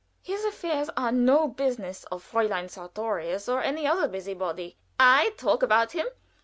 His affairs are no business of Fräulein Sartorius, or any other busybody." "I talk about him!